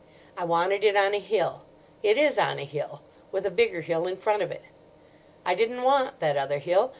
I wanted it on a hill. It is on a hill, with a bigger hill in front of it. I didn't want that other hill.